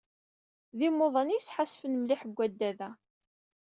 d yimuḍan i yesḥassfen mliḥ seg waddad-a.